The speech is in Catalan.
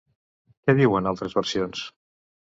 Què diuen altres versions?